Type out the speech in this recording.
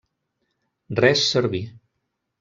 Res serví.